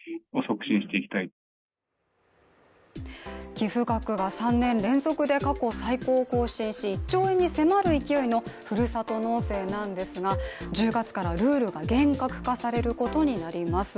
寄付額が３年連続で過去最高を更新し、１兆円に迫る勢いのふるさと納税なんですが１０月からルールが厳格化されることになります。